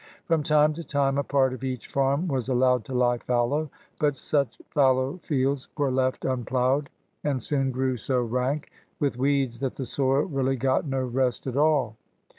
From time to time a part of each farm was allowed to lie fallow, but such fallow fields were left unploughed and soon grew so jrank with weeds that the soil really got no rest at all.